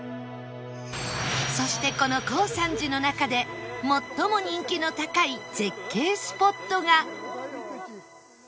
そしてこの耕三寺の中で最も人気の高い絶景スポットが